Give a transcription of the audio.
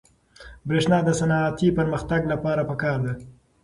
برېښنا د صنعتي پرمختګ لپاره پکار ده.